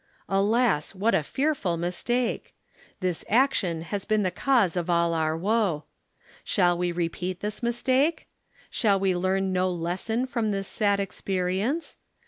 Alas, what a fearful mistake ! This action has been the cause of all our woe. Shall we repeat this mistake ? Shall we learn no lesson from this sad experience